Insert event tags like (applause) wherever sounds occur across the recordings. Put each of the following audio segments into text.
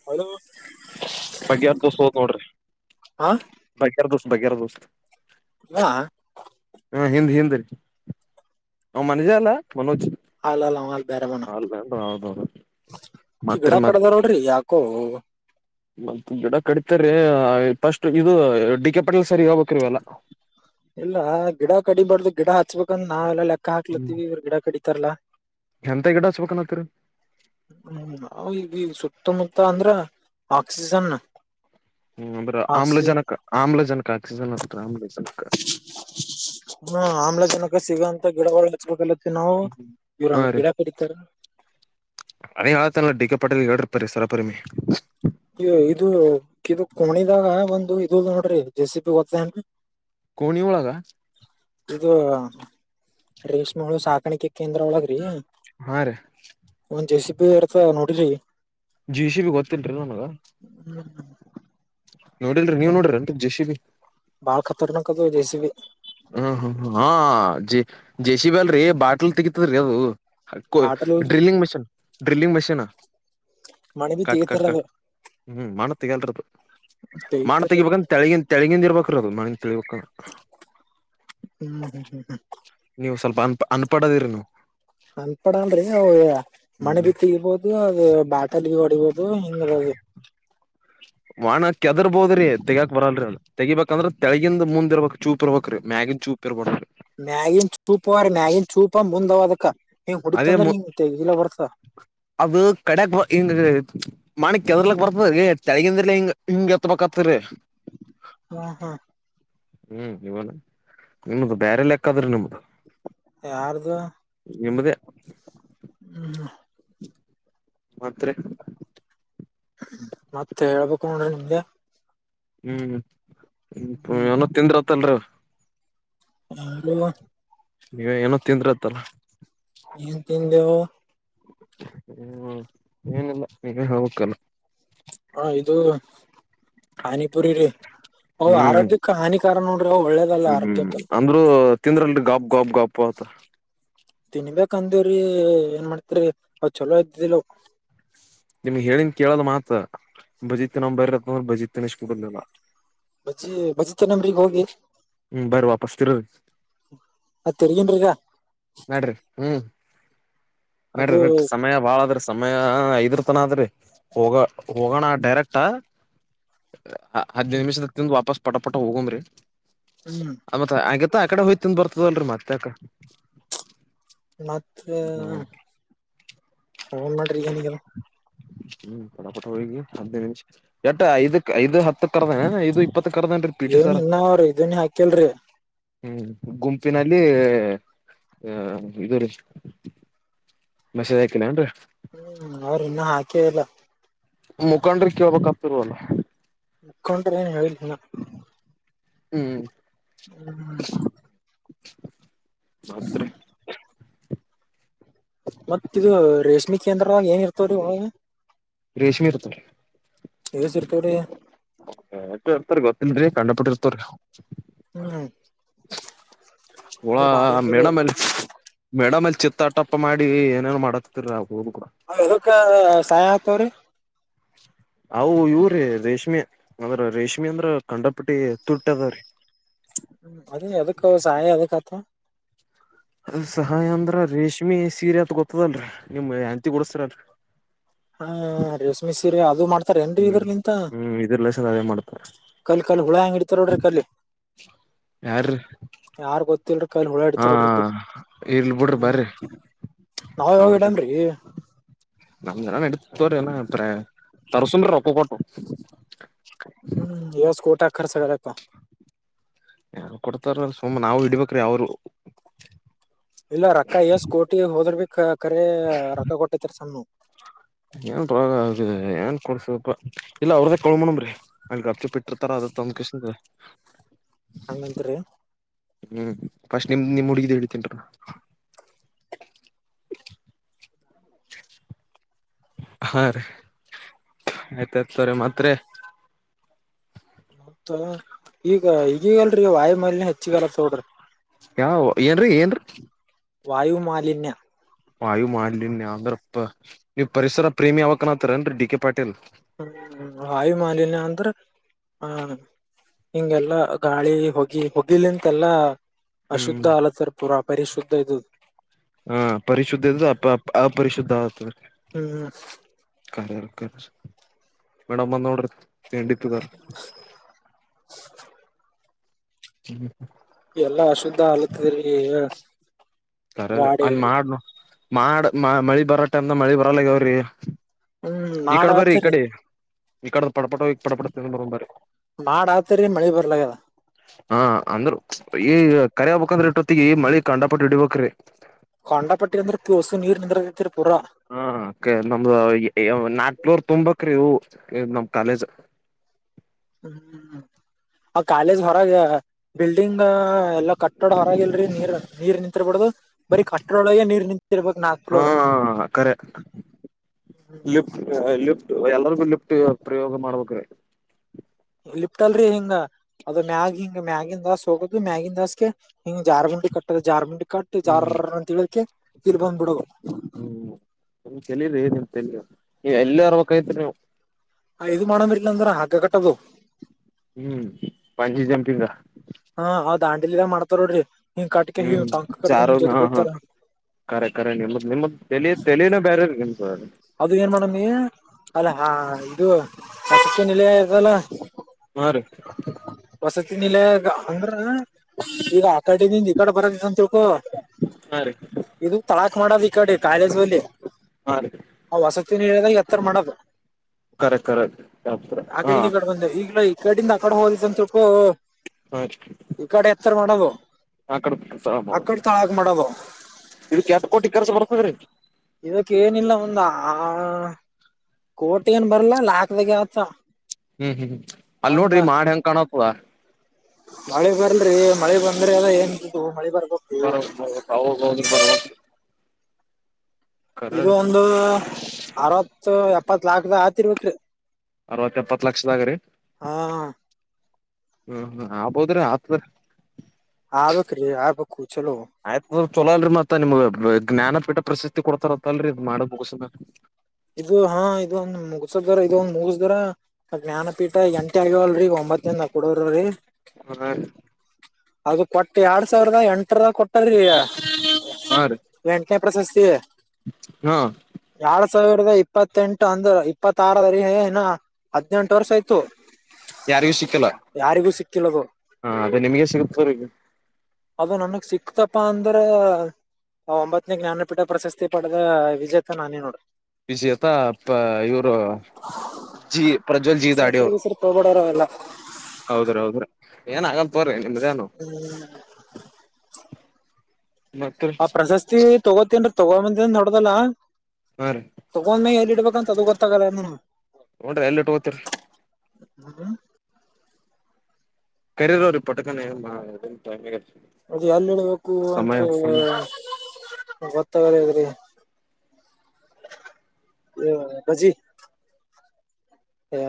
ಹ ಬಗ್್ಯಾರ ದೋಸ ಹೋದ್ ನೋಡ್ರಿ ಹಾ ಬಗರ್ ದೋಸ್ತ್ ಬಗರ್ ದೋಸ್ತ್ ಹ ಹಾ ಹಿಂದ ಹಿಂದ ರೀ ನ್ ಮನಜ ಅಲ್ಲಾ ಮನೋಜ್ ಅಲ್ಲಲ್ಲ ಅವ ಅಲ್ಲಿ ಬೇರೆ ಮನ ನಾಲ್ ಗಟ ಹದ ಅವ ಈ ಗಿಡ ಪಡದ ನೋಡ್ರಿ ಯಾಕೋ ಮ ಗಿಡ ಕಡಿತಾರೆ ಪಫಸ್ಟ್ ಇದು ಡಿ ಕೆ ಪಟಲ ಸರಿ ಹೋಗ್ಬೇಕ್ರೀ ಅಲ್ಲ ಇಲ್ಲ ಗಿಡ ಕಡಿಬಾರ್ದು ಗಿಡ ಹಚ್ಬೇಕಂದ ನಾವೆಲ್ಲ ಲೆಕ್ಕ ಕ್ಕ ಹ್ಮ್ ಹಾಕ್ಲತ್ತೀವಿ ಇವ್ರ ಗಿಡ ಕಡಿತಾರಲ್ಲ ಎಂತ ಗಿಡ ಹಚ್ಬೇಕನತ್ತರಿ ಹ್ಮ್ ಈದು ಸ ಸುತ್ತಮುತ್ತ ಅಂದ್ರ ಆಕ್ಸಿಜನ್ ಹ್ಮ್್ರ ಆಕ್ಸಿಜನ್ ಆಮ್ಲಜನಕ ಆಮ್ಲಜನಕ ಆಕ್ಸನ್ ಆ ಆಮ್ಲಜನಕ ಹ ಆಮ್ಲಜ ಜನಕ ಸಿಗುವಂತ ಗಿಡಗಳು ಹಚ್ಬೇಕಲ್ಲ ಸ ನಾವು ಇವ್ರ ಹಾ ಅಂದ್ರೆ ರೀ ಗಿಡ ಕಡಿತಾರ ಡಿಿಕ ಪಟೇಲ್ ಹೇಳಿರ್ ಪರಿ ಸರಪರಿಮಿ ಇದಾಗ ಒಂದು ಇದದು ನೋಡ್ರಿ ಜೆ ಸಿ ಬಿಿ ಹೋಗ್ತೇಏನ್ರಿ ಕಣ ಳಾಗ ರೇಷ್ಮೆಹುಳ ಸಾಕಾಣಿಕೆ ಕೇಂದ್ರ ಒಳಗ್ರೀಾ ಹಾ ರೀ ಇರ್ತ ನೋಡ್ರಿ ಜಿ ಸಿ ಬಿ ಗೊತ್ತನ್ರಿ ನನ್ಗ ಹ್ಮ್ ನೋಡಿಲ್ರಿ ನೀವು ನೋಡ್ರ ಅಂತ ಜಶಿ ಬಿ ಬಳಖಾತೆ ನಕ ಜಸಿ ಹ್ಮ್ ಹ್ಮ್ ಹ ಜೇಸಿಬಿ ಅಲ್ರಿೀ ಬಾಟ್ಲ್ ತೆಗತದ್ರೀ ಅದು ಹ ಕೊ ಬಾಟಲ್ ್ರಲಿಂಗ ಮಷೀನ್ ್ರಿಲಿಂಗ ಮಷೀನ್ ಮಣಿ ಬಿ ಕಟ್ ಕಟ್ ತೆಗಿತಾರ ಅದು ಕಟ್ ಹ್ಮ್ ಮತ್ತಗಲ್ರದ್ದು ಮಾಣ ತೆಗಿತಾರ ತೆಗಿಬೇಕಂದ ತೆಗಿನ್ ತೆಗಿಂದ ಇರ್ಬೇಕ್ರ ಅದು ಮಣನ್ ತೆಗಿಬೇಕ ಹ್ಮ್ ಹ್ಮ್ ಹ್ಮ್ ಹ್ಮ್ ಅನ್ಪಡದಿನು ಅನ್ಪಡ ಅಂದ್ರೆ ನವು ಮಣ ಹ್ಮ್ ಬಿ ತಗರ್ಬೋದು ಅದು ಬಾಟಲ್ಲಿಿಗೆ ಹೊಡಿಬೋದು ಹಿಂಗದು ವಾಣ ಕೆದರ್ಬೋದ್ರಿ ತೆಗಯಾಕ್ ಬರಲ್ರಿ ಅದು ತೆಗಿಬೇಕಂದ್ರ ತೆಳಗಿಂದ ಮುಂದ ಇರ್ಬೇಕಕ್ ಚೂಪ್ ಇರ್ಬೇಕೇ್ರೀ ಮ್ಯಾಗಿನ್ ಚೂಪ್ ಇರ್ಬೇ್ರಿ ಮ್ಯಾಗಿನ್ ಚೂಪ ಅವ್ರೀ ಮ್ಯಾಗಿನ್ ಚೂಪ ಮುಂದ ಅದಕ್ಕ ಹಿಂಗ್ ಅದೇ ಹೊಡಿತಂದ್ರ ಹಿಂಗ್ ತೆಗಿಲ ಬರ್ತದ ಅದು ಕಡೆಕ್ ಮಣಿಕ್ ಕೆದಲಕ್ ಬರ್ತದೀ ತಳಗಿಂದ ಹಿಂಗ ಹಿಂಗಗೆ ಹತ್ಬತ್ತರಿ ಹ್ಮ ಹಾ ಹ್ಮ್ ಇವನ ನಿಮ್ದು ಬೇರೆ ಲೆಕ್ಕಾದ್ರೆ ನಿಮ್ದು ಆದು ನಿಮ್ದೇ ಹ ಮಾತ್ರೆ ಮತ್ತೆ ಹೇಳ್ಬೇಕು ನೋಡ್ರಿ ನಿಮ್ದೆ ಹ್ಮ್ ಏನ ತಿಂದ್ರತ್ತಲ್ರಿ ಹ ನೀವ ಏನೋ ತಿಂದ್ರತ್ತಲ್ಲ ತಿಂದು ಹ್ಮ್ ಏನಿಲ್ಲ ನೀವೇ ಹೋಗಕ್ಕಲ್ಲ ಹ ಇದು ಹಾನಿಪುರಿ ರ ಆರೋಗ್ಯಕ್ಕ ಹಾನಿಕಾರನಂಟ ಹ್ಮ್ ಹ್ಮ್ ಅಂದ್ರು ತಿಂದ್ರಲ್ ಗಾಪ್ ಗಾಬ್ ಗಾಪ್ ಅತ ತಿನ್ಬೇಕಂದವ್ರೀ ಏನ್ ಮಾಡ್ತಿರಿ ಅವ್ ಚಲೋ ಇದ್ದಿದ್ದಿಲ್ಲವ ನಿಮ್ಗ್ ಹೇಳನ್ ಕೇಳದ ಮಾತ್ರ ಬಜಿತ್ ನ್ ಬರತ್ತಂದ್ರ ಭಜಿ ಎಷ್ಟ ಕುಟುದಿಲ್ಲ ಬಜ್ಜಿ ಬಜ್ಜಿತ ನಂಬ್ರಗ್ ಹೋಗಿ ಹ್ಮ್ ಬರ್ರಿ ವಾಪಸ್ ತಿರ್ರಿ ಅ ತಿರ್ಗನ್್ರೀಗ ನಡ್ರಿ ಹ್ಮ್ ನಡ್ರಿ ಅದು ನ ಸಮಯ ಬಾಳದ್ರ ಸಮಯ ಐದ್ರ ತನ ಅ ಆದ್ರಿ ಹೋಗ ಹೋಗೋಣ ಡೈರೆಕ್ಟ ಹದ್ಿನ ನಿಮಿಷದ ತಿಂದು ವಾಪಸ್ ಪಟ ಪಟ ಹೋಗಂಬ್ರಿ ಹ್ಮ್ ಆ ಮತ್ ಹಾಗ ಮತ್ತ ಆ ಕಡೆ ಹೋಯ್ತನ್ ಬರ್ತದಲ್ರರಿ ಮತ್ತ ಅಕ ಮತ್ತ ಅವನ್ ಮಾಡ್ರಿ ಏನಗದ ಹ್ಮ್ ಪಟಪಟ ಹೋಗಿ ಹದ್ಿನೈ ನಿಮಿಷ ಎಟ್ಟ ಐದಕ್ ಐದು ಹ ಕರದ ಐದು ಇಪ್ಪತ್ತು ಏನ್ ಇನ್ನ ಅವ್ರ ಇದನ್ ಹಾಕಿಲ್ರಿ ಹ್ಮ್ ಗುಂಪಿನಲ್ಲಿ ಅ ಇದು ರೀ ಮಸದ ಹಾಕಿನ ನ್ರಿ ಹ್ಮ್ ಅವ್ರ ಇನ್ನುೂ ಹಾಕೆ ಇಲ್ಲ ಮುಖಂಡ್ರ ಕೇಳ್ಬೇಕಕ್ ಆತಿರ್ವಲ್ಲ ಇಕೊಂಡ್ರೆ ಏನ್ ಹೇಳೇತನ ಹ್ಮ್ ಹ್ಮ ಮಾತ್ರ ಮತ್ತ ಇದು ರೇಷ್ಮೆ ಕೇಂದ್ರಾಗ ಏನ್ ಇರ್ತವ್ರೀಾಗ ರೇಷ್ಮಿ ಇರುತ್ರ ಸರ್ಪಡಿ ಇರ್ತರಿ ಗೊತ್ತನ್ರರಿ ಕಂಡಪಿಟ್ಟ ಇರ್ತವ್ರಿ ಹ್ಮ್ ಹಳ ಅಂದ್ರ ಬಾರಿ ಅಂದ್ರ ಅವ್ ಮೇಡಮ್ಲ್ಲಿ ಮೇಡಮ್ ಚಿತ್ತ ಟಪ್ಪ ಮಾಡಿ ಏನೇನೋ ಮಾಡತ್ತರಿಾವು ಹಕ್ಕ ಸಾಯ ಆತವ್ರೀ ಹ ಅವು ಇವ್ರೀ ರೇಷ್ಮೆ ಅದ್ರ ರೇಷ್ಮೆ ಅಂದ್ರ ಕಂಡಪಿಟ್ಟಿ ತುಟ್ಟ ಅದಾವ್ರೀ ಹ್ಮ ಅದು ಎದಕ್ಕ ಸಾಯ ಅದಕ್ಕಥ ಅದ ಸಹಾಯ ಅಂದ್ರ ರೇಷ್ಮಿ ಸೀರೆ ಅತ್ ಗೊತ್ತದಲ್ರರಿ ನಿಮ್ ಎಂತಿ ಗಡಸ್್ರಲ್ರಿ ಹಾ ರೇಷ್ಮಿ ಸೀರೆ ಅದು ಮಾಡ್ತ ತಾರೆ ಎನ್ೀ ಹ್ಮ್ ಇದರ್ಲಿಂತ ಹ್ಮ್ ಇದ್ರ ಲೆಸನ್ ಅದೇ ಮಾಡ್ತಾರ ಕಲ್ ಕಲ್ ಹುಳ ಹಂಗ ಇಡ್ತ ನೋಡ್ರಿ ಕಲ್ಲಿ ಯಾರ ತ್ತ ಕಾಲ ಹಳ ಎಡ್ತರೋಡತ್ತು ಇರ್ಲ್ ಬಿಡ್ರಿ ಹ್ಮ ಬರ್ರಿ ನಾವ ಯಾವ ಇಡನ್ರಿ ನಮ್ ಜನ ನಡತವ್ರ ಏ ತರ್ಸುಂಬ್ರೆ ರೊಪ್ಪ ಕೊಟ್ಟ ಹ್ಮ್ ಎಸ್ ಕಊಟಾಖರ್ಚತ ಯ ಕೊಡ್ತಾರ ಸುಮ್ಮ ನಾವು ಇಡ್ಬೇಕ್ರೀ ಅವರು ಇಲ್ಲ ರೊಕ್ಕ ಎಷ್ಟ ಕೋಟಿ ಹೋದ್ರ ಭ ಕರಿ ರೊಕ್ಕ ಕೊಟ್ಟೈತ್ತಾರ ಸಣ್ಣು ಏನ್ ಪ್ರಾಗ ಆಿದೆ ಏನ್ ಕೊಡ್ ಸ್ವಲ್ಪ ಇಲ್ಲ ಅವ್ರದ ಕೋಣಮ್ರಿ ಅ ಅಚ ಬಿಟ್ಟಿರ್ತಾರ ಅದ ತಂದ್ ಕಷ್ಟ ಹಂಗಂತರಿೀ ಹ್ಮ್ ಫಸ್ಟ್ ನಿಮ್ದ ನಿಮ್ ಹುಡುಗಿದ ಹಿತೇನ್ರ ಹ ಹ ಹಾ ರೀ ಆಯ್ತಾಯ್ತತ್ರ ಮಾತ್ರ ಮತ್ತ ಈಗ ಈಗಗಲ್ರಿೀ ವಾಯುಮಲ್ನ್ ಹೆಚ್ಚಿಗಲತ್ ತೋಡ್ರಿ ಯಾವ ಏನ್ರೀ ಏನ್ರಿ ವಾಯು ಮಾಲಿಿನ್ಯ ಆಯ್ ಮಾಡ್ಲನ್ ನೀ ಅಂದ್ರ ನೀವು ಪರಿಸರ ಪ್ರೇಮಿ ಯಾವಕನತ್ತರ ಅನ್ರಿ ಡಿ ಕೆ ಪಾಟಿ ಹ್ಮ್ಮ ಹಾಯಿ ಮಾಲಿಿನಯ ಅಂದ್ರೆ ಆ ಹಿಂಗೆಲ್ಲಾ ಗಾಳಿ ಹೊೋಗಿ ಹೋಗಿಲಿಂತೆ ಎಲ್ಲಾ ಹ್ಮ್ ಅಶುದ್ಧ ಅಲ್ಲ ಸರ್ ಪುರ ಅ ಪರಿಶುದ್ಧ ಇದು ಹಾ ಪರಿಶುದ್ಧು ಅ ಅಪರಿಶುದ್ಧ ಆಗ್ತದೆ ಹ್ಮ್ ಕಾರ್ಯ ಮೇಡಮ ಬಂದೋ ವೇಿಟ್ಟಾರೆ ಹ್ಮ ಎಲ್ಲಾ ಅಶುದ್ಧ ಆಲತದ್ರ ಗಾಡಿ ಆಯ ಮಾಡ ಮಳಿ ಬರ ಟೈಮ ಮಳಿ ಬರಲ್ಲಗಾವ್ರಿ ಹ್ಮ್ ಮಾಡ ಈಕಡೆ ಬರಿ ಈ ಆತರಿ ಕಡೆ ಇಕಡೆದ ಪಡಪಟೋ ಪಡಪಟೋ ತಿಿಂದ ಬರು ಬಾರೆ ಮಾಡ ಆತರಿ ಮಳಿ ಬರ್ಲಾಗ್ಯದ ಹಾ ಅಂದ್ರು ಈ ಕರಿ ಹೋಗ್ಬೇಕಂದ್ರೆ ಇಟ್ಟೊತ್ತಿಗೆ ಮಳಿ ಕಂಡಪಟ್ಟ ಇಡಿಬೇಕ್ರಿ ಕೊಂಡಾ ಪಟ್ಟಿ ಅಂದ್ರೆ ತೋಸು ನೀರ್ ನಿಂದ್ರ ಹಾ ನಮ್ದ ನಾಕ್ಲೂರ್ ತುಂಬಕ್ರೀವು ನ ಕಾಲಜ ಹ್ಮ ಕಾಲೇಜ್ ಹೊರ ಬಿಲ್ಡಿಂಗ್ ಎಲ್ಲ ಕಟ್ಟಡ ಆರಾಗಿಲ್ರರಿ ನೀರ್ ನೀರ್ ನಿಂತಿರ್ಬಾರಡ್ದು ಬರೀ ಕಟ್ಟಡೊಳಗೆ ನೀರ್ ನಿ ತಿರುಪಗ್ ನಾಕ್ ಹಾ ಫ್ಲೋರ್ ಕರೆ ಎಲ್ಲರಿಗೂಲ್ಲಿ ಪ್ರಯೋಗ ಮಾಡ್ಬೇಕ್ರ ಲಿಪ್ಟ ಅಲ್ರರಿ ಹಿಂಗ ಅದು ಮ್ಯಾಗ್ ಹಿಂಗ್ ಮ್ಯಾಗಿನ್ ದಾಸ್ ಹೋಗದು ಮ್ಯಾಗಿನ್ ದಾಸ್ಗೆ ಹಿಂಗ ಜಾರ್ ಂಡಿ ಕಟ್ಟ ಜಾರ್ ಮುುಂಡಿ ಕಟ್ಟ ಹ್ಮ್ ಜಾರ್ ಅಂತ ಹೇಳಳ್ಕೆ ಇರ್ ಬಂದ್ಬಿಡು ಹ್ಮ್ ನಮ್ ಚಲ್ರ ಏನ ನೀ ಎಲ್ಲಿ ಅರ್ಬೇಕೈತ್ರಿ ನೀವು ಇದು ಮಾಡೋಂಬರ್ಿಲ್ಲ ಅಂದ್ರ ಹಾಗಗ್ಗ ಕಟ್ಟದು ಹ್ಮ್ ಪಚ ಜ ಹಾ ಅವ ದಾಂಡಲಿಲ್ಲ ಮಾಡ್ತಾರೋಡ್ರಿ ಹ್ಮ್ ಸಾರು ಹಾ ಹಾ ಕರೆ ಖರೆ ನಿಮ್ಮ್ದ ನಿಮ್ದ ತಲಿ ತೆಲನ ಬೇರೆ ಅದು ಏನ್ ಮಾಡಮ ನೀ ಅಲ್ಲ ಹಾ ಇದು ಕಸಕ್ಕೆ ನಲೆ ಆತಲ್ಲ ಮ್ರೀ ಲ್ಲ ಅಂದ್ರ ಈಗ ಆ ಕಡೆಿಂದ ಈ ಕಡೆ ಬರದಂತ ಹ ಹಾ ರೀ ಇದು ತಳಾಕ್ ಮಾಡೋದ ಈ ಕಡೆ ಕಾಲೇಜಲ್ಲಿ ಹಾ ರೀ ಆ್ ವಸತಿಿನದಾಗ ಎತ್ತರ ಮಾಡೋದು ಕರೆ ಕರೆ ಹಾ ಆಕಡಿನ ಕಡೆ ಬಂದ ಈಗ್ಲ ಕಡಿಂದ ಆ ಕಡೆ ಹೋಗಿದ್ದ ಅಂತಕು ಹಾಜಕ ಎತ್ರ ಮಾಡಣವೋ ಹಾ ಕಡಮ ಸ ಮಾಡ ಇದಕ್ಕೆ್ಯಾತ ಕೋಟಿ ಕೆರ್ಸ ಬರ್ತದ್ರೀ ಇದಕ್ಕೆ ಏನಿಲ್ಲ ಒಂದ ಆ ಕೋಟಿ ಏನ್ ಬರ್ಲ್ಲಾ ಲಾಕ್ದಾಗ ಆತ ಹ್ಮ್ ಹ್ಮ್್ಮ ಅಲ್ ಒಂದ ನೋಡ್ರಿ ಮಾಡ ಹೆಂಗ್ ಕಾಣತ್ವಾ ಮಳೆ ಬರರಿ ಮಳೆ ಬಂದ್ರೆ ಎಲ್ಲ ಏನ್ಂತು ಮಳೆ ಬರ್ಬ ಬರ ಬ ಹೌದೌದು ಬರ ಇದು ಒಂದು ಅರವತ್ತು ಎಪ್ಪತ್ ಲಾಕ್ದ ಆತಿರ್ಬೇಕ್ರಿ ಅರವತ್ತ ಎಪ್ಪತ್ ಲಕ್ಷದಾಗ್ರೀ ಹಾ ಹ್ಮ್ ಹ್ಮ್ ಆಗ್ಬೋದ್ರಿ ಆತ್್ರ ಹ ಬಕ್ರ ಆಯ್ತು ಚಲೋ ಅಲ್ರಿ ಮತ್ತ ನಿಮ್ ಜ್ಞಾನಪೀಠ ಪ್ರಸಿದತಿ ಕೊಡ್ತಾರತ್ತಲ್ರಿ ಇ್ ಮಾಡ ಬೋಗುಸ ಇದು ಹಾ ಇದದುೊಂದಂದು ಮುಗಸ್ದಾರ ಇದದು ಒಂದ ಮುಗಸ್ದಾರ ಜ್ಞಾನಪೀಠ ಎಂಟಿ ಆಗವಲ್ರರಿ ಒಂಬತ್ತಂದ ಕೊಡ್ರಿ ಅದು ಕೊಟ್ಟ ಎರಡ್ ಸಾವಿರದ ಎಂಟರ ಕೊಟ್ಟಾರಂ ಹಾ ರೀ ಕಡ ಸಸ್ ಹಾ ಎರಡ್ ಸಾವಿರದ ಇಪ್ಪತ್ತೆಂಟು ಅಂದ್ರ ಇಪ್ಪತ್ತಾರ ಏನ ಹದ್ಿನೆಂಟು ವರ್ಷ ಆಯತು ಯಾರಿಗೂ ಸಿಕ್ಕಲ್ಲ ಸಿಕ್ಕಿಲ್ಲದು ಹ ಅದ ನಿಮಗೆ ಸಿಗತ್ರಗ ಅದು ನನ್ಗ್ ಸಿಕ್ತಪ ಅಂದ್ರ ಒಂಬತ್ತನೇ ಜ್ಞಾನಪೀಠ ಪ್ರಶಸ್ತಿ ಪಡೆದ ವಿಜೇತ ನಾನೇ ನೋಡು ವಿಜೇತ ಪ ಇವ್ರು ಜಿ ಪ್ರಜ್ವಲ್ ಜಿ ಹೆಸರು ದಾಡಿ ಅವರು. ಹೆಸರು ತೊಗೊಬೇಡವ್ರ ಅವೆಲ್ಲ ಹೌದ್ರ ಹೌದ್ರ ಏನ್ ಆಗಲ್ ತೊಗೊರಿ. ಹ್ಮ್. ಮತ್ ಆ ಪ್ರಶಸ್ತಿ ತಗೋತನ್ರಿ ತಿಗೊಡೈನ್ ದೊಡ್ಡಲ್ಲ ಹಾ ರೀ ತಗೊಂದ್ಮ ಎಲ್ಲಿ. ಇಬೇಕ ಅಂತ ಅದು ಗೊತ್ತಾಗಲ್ಲನು. ಒದ್ರ ಎಲ್ಲಿ ಇಟ್ಕೋತೀರಿ. ಹ್ಮ. ಕರೀರಿ ಅವ್ರೀಗ ಪಟಕನ. ಅದು ಎಲ್ಲಿ ಇಳ್ಬೇಕು ಅಂತ ಸಮಯ ಸಮಯ ಗ. ಆಗಿದರಿ ಅಪ್ಪಾಜಿ. ಹಾ.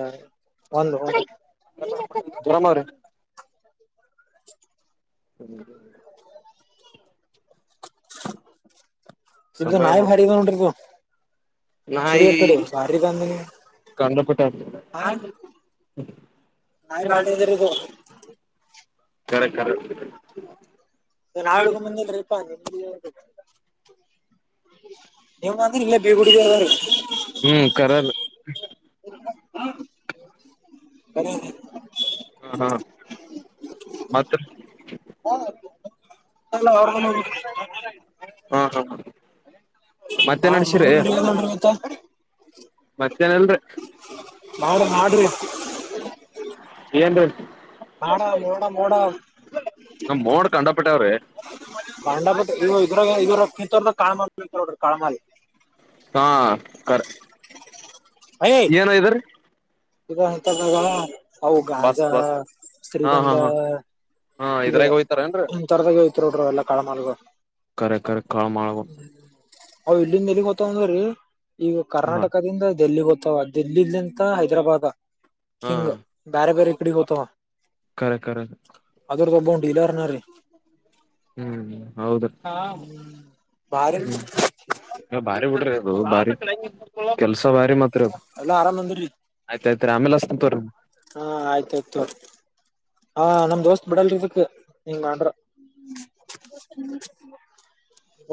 ಬರಾಮ್ರೀ. ಹ್ಮ್. ಇ ನಾಯ ಭಾರಿ ಬಗ ನೋಡ್ರಿ ನಾವ. ಸರಿ ನಾಯಿ ಎಕಡು ಭಾರ ಗಾಂಧನಿ ಕಂಡಪಟ್ಟ ಹ. ನಾಯಿ ಭಾಳ ಡೇಂಜರ್ ಅದಾವ. ಕರೆ ಕರೆ. ಸ ಹಾಡುಗ ಮುಂದೆಲ್ಪ್ಪ ನಿ. ನಿವ್ ಬಂದಿರಿ ಇಲ್ಲೆ ಬೀರ್ ಗುಡಿಗ ಹೋಗ್ರಿ. ಹ್ಮ್ ಕರರ್ ಕ. (inaudible) ಹಾ ಹಾ ಮತ್ರೀ. ಅಲ. (inaudible) ಹಾ ಹಾ ಮತ್ತೆ ಹ ಮಾಡ್ ಮಾಡು ಮತ್ತ. ಮತ್ತೇನ ಇಲ್ರಿ. ಮಾಡ ಮಾಡ್ರಿ. ಏನ್ರಿ. ಮಾಡ ಮೋಡ ಮೋಡ. ನಮ ಮೋಡ್ ಕಂಡ. ಪಂಡಪುಟ್ಟ ಇವ ಇದ್ರಾಗ ಇದ್ರ ಕಿತ್ತೋರ್ದ ಕಾಳ್ಮ ಬೋಡ್ರ ಕಾಳ್ಮಾಲ. ಹಾ ಕರೆ ಏನ ಇದ್ರೀ. ಇಂತ ಅವು ಬಸ್ ಗಾಂಜಾ ಬಸ್ ಹಾ ಶ್ರೀಗಂಧ. ಹಾ ಹಾ ಹಾ ಈ ಇದ್ರಾಗ ಹೋಯ್ತಾರೇನ್ರಿ ಹಿಂತ ತರದಾಗ ಎಲಿತೆವ್ ನೋಡ್ರಿ ಎಲ್ಲಾ ಕಾಳಮಲ. ಕರೆ ಕರೆ ಕಾಳ ಮಾಡಬ ಅವ ಇಲ್ಲಿಂದ ಎಲ್ಲಿಗ್ ಗತ್ತಾವಂದ್ರೀ ಈಗ ಕರ್ನಾಟಕದಿಂದ ದೇಲ್ಲಿ ಗೊತ್ತ. ಹತವ ಡೆಲ್ಲಿಲ್ಂತ ಹೈದ್ರಾಬಾದ ಹಿಂಗ್ ಬೇರೆ ಬೇರೆ ಇ ಕಡೆಗೆ ಹೊತವ. ಕಖರೆ ಕರೆ ಒಬ್ಬವ್ ಡೀಲರ್ನ ರೀ ಹ್ಮ್ ಹೌದ. ಹಾ ಬಾರಿ ಹ್ಮ. ಬಾರಿ ಬಿಡ್ರ ಅದು ಬಾರಿ ಕೆಲ್ಸ ಬಾರಿ ಮತ್ತ. ಎಲ್ಲಾ ಆರಾಮ ಅದಿರಿ ಆಮೇಲೆ ಹಸ್ತನ ತೋರಿ ಹಾ ಆಯ್ತಾಯಯ್ತು ತೊಗೊ. ಹಾ ನಮ್ ದೋಸ್ತ್ ಬಿಡಲ್ರಿ ಇದಕ ಹಿಂಗ ಅಂದ್ರ. ಹ್ಮ. (inaudible)